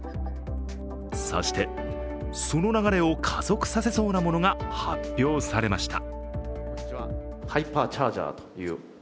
そして、その流れを加速させそうなものが発表されました。